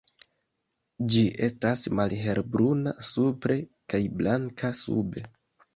Ĝi estas malhelbruna supre kaj blanka sube.